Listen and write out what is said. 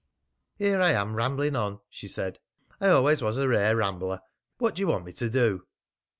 "Here I am rambling on," she said. "I always was a rare rambler. What do you want me to do?"